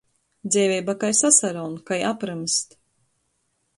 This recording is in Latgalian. Dzeiveiba kai sasaraun, kai aprymst.